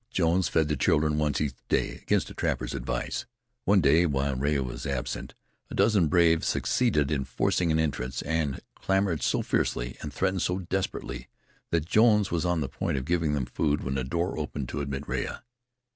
Jones fed the children once each day, against the trapper's advice. One day, while Rea was absent, a dozen braves succeeded in forcing an entrance, and clamored so fiercely, and threatened so desperately, that Jones was on the point of giving them food when the door opened to admit Rea.